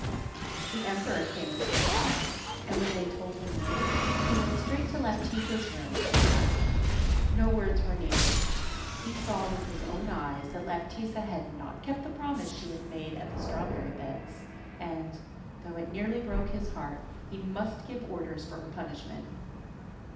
The emperor came into the palace, and when they told him the news he went straight to Laptitza's room. No words were needed; he saw with his own eyes that Laptitza had not kept the promise she had made at the strawberry beds, and, though it nearly broke his heart, he must give orders for her punishment.